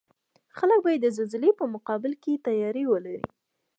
خلک باید د زلزلې په مقابل کې تیاری ولري